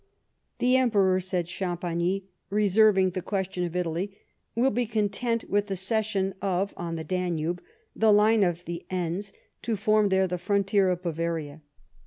The Emperor, said Champagny, reserving the question of Italy, will be content with the cession of, on the Danube, the line of the Enns, to form tliere the frontier of Bavaria.